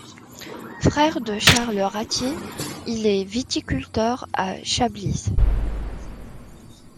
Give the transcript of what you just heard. Frère de Charles Rathier, il est viticulteur à Chablis.